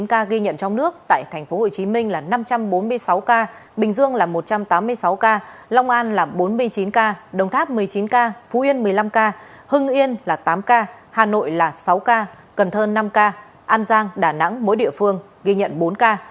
một mươi ca ghi nhận trong nước tại tp hcm là năm trăm bốn mươi sáu ca bình dương là một trăm tám mươi sáu ca long an là bốn mươi chín ca đồng tháp một mươi chín ca phú yên một mươi năm ca hưng yên là tám ca hà nội là sáu ca cần thơ năm ca an giang đà nẵng mỗi địa phương ghi nhận bốn ca